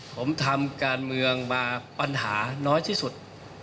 ผมทำการเมืองมาปัญหาน้อยที่สุด